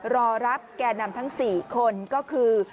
รอรับแก่นำทั้ง๔คนก็คือ